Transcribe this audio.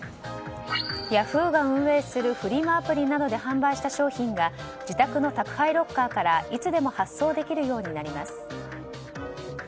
ヤフーが運営するフリマアプリなどで販売した商品が自宅の宅配ロッカーからいつでも発送できるようになります。